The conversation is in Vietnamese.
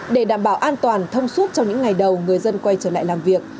để đảm bảo an toàn thông suốt trong những ngày đầu người dân quay trở lại làm việc